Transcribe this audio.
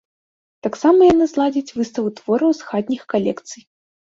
Таксама яны зладзяць выставу твораў з хатніх калекцый.